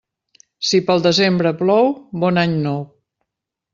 Si pel desembre plou, bon any nou.